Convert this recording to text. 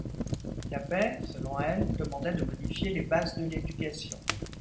La paix, selon elles, demandait de modifier les bases de l’éducation.